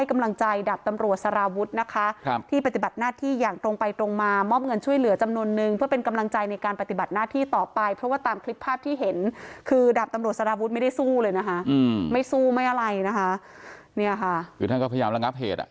ไม่สู้เลยนะคะไม่สู้ไม่อะไรนะคะนี่ค่ะคือท่านก็พยายามระงับเหตุ